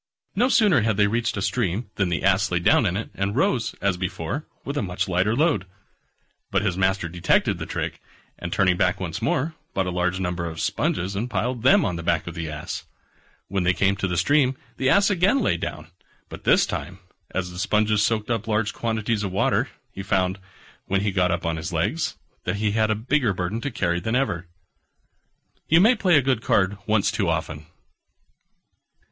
No sooner had they reached a stream than the Ass lay down in it, and rose, as before, with a much lighter load. But his master detected the trick, and turning back once more, bought a large number of sponges, and piled them on the back of the Ass. When they came to the stream the Ass again lay down: but this time, as the sponges soaked up large quantities of water, he found, when he got up on his legs, that he had a bigger burden to carry than ever. You may play a good card once too often.